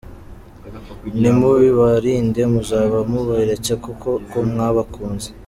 Nimubibarinde, muzaba muberetse koko ko mwabakunze.